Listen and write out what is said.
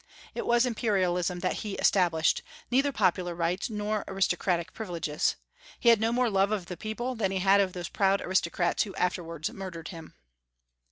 It was Imperialism that he established; neither popular rights nor aristocratic privileges. He had no more love of the people than he had of those proud aristocrats who afterwards murdered him.